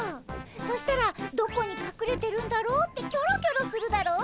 そしたらどこにかくれてるんだろうってキョロキョロするだろ？